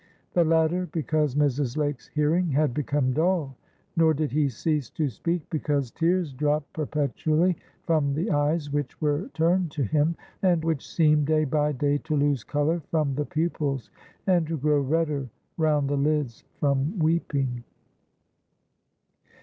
The latter because Mrs. Lake's hearing had become dull. Nor did he cease to speak because tears dropped perpetually from the eyes which were turned to him, and which seemed day by day to lose color from the pupils, and to grow redder round the lids from weeping.